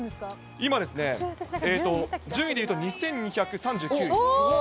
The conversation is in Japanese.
今ね、順位で言うと２１３９位。